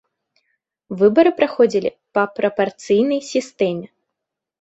Выбары праходзілі па прапарцыйнай сістэме.